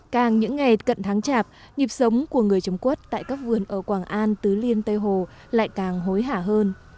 càng những ngày cận tháng chạp nhịp sống của người trồng quất tại các vườn ở quảng an tứ liên tây hồ lại càng hối hả hơn